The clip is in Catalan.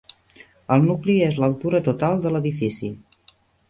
El nucli és l'altura total de l'edifici.